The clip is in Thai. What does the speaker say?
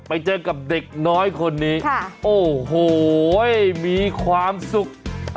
ไปเจอกับเด็กน้อยคนนี้โอ้โหมีความสุข